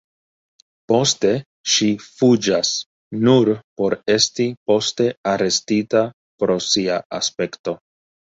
Poste ŝi fuĝas, nur por esti poste arestita pro sia aspekto.